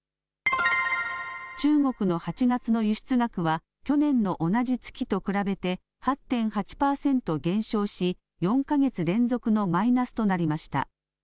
中国の８月の輸出額は去年の同じ月と比べて８．８パーセント減少し４か月連続のマイナスとなりました。